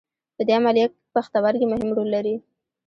په دې عملیه پښتورګي مهم رول لري.